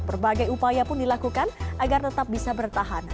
berbagai upaya pun dilakukan agar tetap bisa bertahan